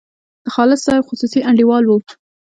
د خالص صاحب خصوصي انډیوال وو.